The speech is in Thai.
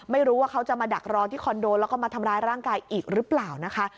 ไม่รู้ว่าเขาจะมาดักรอที่คอนโดแล้วก็มาทำร้ายร่างกายอีกหรือเปล่านะคะ